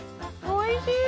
おいしい！